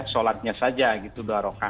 sholatnya saja gitu